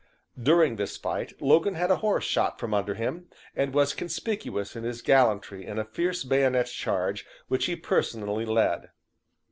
During this fight Logan had a horse shot from under him, and was conspicuous in his gallantry in a fierce bayonet charge which he personally led.